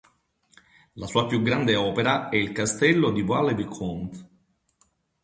La sua più grande opera è il castello di Vaux-le-Vicomte.